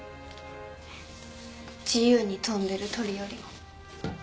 自由に飛んでる鳥よりも。